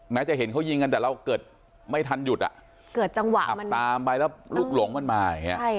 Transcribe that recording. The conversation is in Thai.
จะเห็นเขายิงกันแต่เราเกิดไม่ทันหยุดอ่ะเกิดจังหวะมันตามไปแล้วลูกหลงมันมาอย่างนี้